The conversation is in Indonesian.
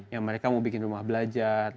ya mereka mau bikin rumah belajar